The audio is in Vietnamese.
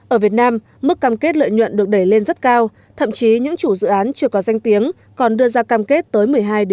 ở việt nam mức cam kết lợi nhuận được đẩy lên rất cao thậm chí những chủ dự án chưa có danh tiếng còn đưa ra cam kết tới một mươi hai một mươi